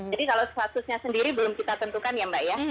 jadi kalau statusnya sendiri belum kita tentukan ya mbak ya